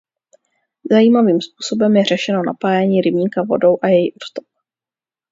Zajímavým způsobem je řešeno napájení rybníka vodou a její odtok.